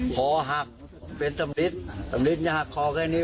คอหักเป็นสำลิดสำลิดจะหักคอแค่นี้